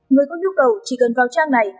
người có nhu cầu chỉ cần vào trang này